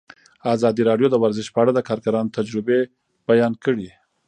ازادي راډیو د ورزش په اړه د کارګرانو تجربې بیان کړي.